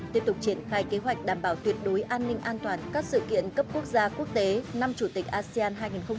tiếp tục triển khai kế hoạch đảm bảo tuyệt đối an ninh an toàn các sự kiện cấp quốc gia quốc tế năm chủ tịch asean hai nghìn hai mươi